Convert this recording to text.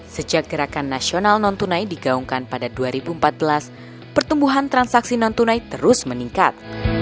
sejak gerakan nasional non tunai digaungkan pada dua ribu empat belas pertumbuhan transaksi non tunai terus meningkat